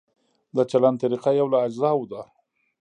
د چلند طریقه یو له اجزاوو ده.